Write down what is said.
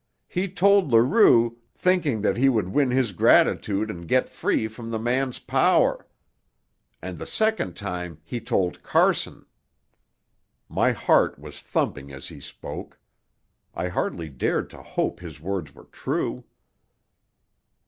He told Leroux, thinking that he would win his gratitude and get free from the man's power. And the second time he told Carson." My heart was thumping as he spoke. I hardly dared to hope his words were true.